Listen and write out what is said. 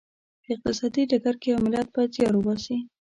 په اقتصادي ډګر کې یو ملت باید زیار وباسي.